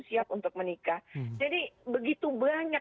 siap untuk menikah jadi begitu banyak